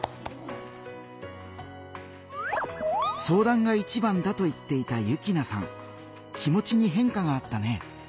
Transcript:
相談がいちばんだと言っていた幸那さん気持ちに変化があったね。